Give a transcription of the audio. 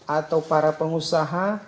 atau para pengusaha